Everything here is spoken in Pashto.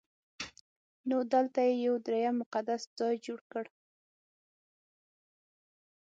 نو دلته یې یو درېیم مقدس ځای جوړ کړ.